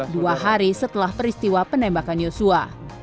dua hari setelah peristiwa penembakan yosua